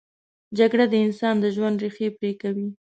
جګړه د انسان د ژوند ریښې پرې کوي